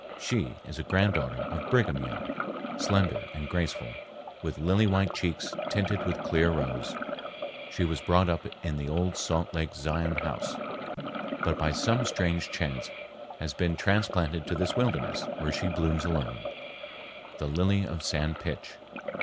She is a granddaughter of Brigham Young, slender and graceful, with lily white cheeks tinted with clear rose, She was brought up in the old Salt Lake Zion House, but by some strange chance has been transplanted to this wilderness, where she blooms alone, the "Lily of San Pitch."